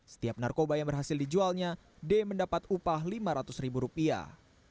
setiap narkoba yang berhasil dijualnya d mendapat upah lima ratus ribu rupiah